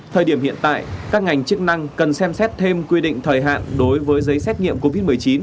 thời điểm hiện tại các ngành chức năng cần xem xét thêm quy định thời hạn đối với giấy xét nghiệm covid một mươi chín